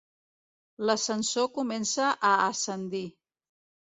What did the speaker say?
L'ascensor comença a ascendir.